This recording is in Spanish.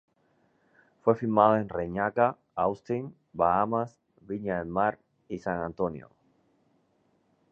Fue filmada en Reñaca, Austin, Bahamas, Viña del Mar y San Antonio.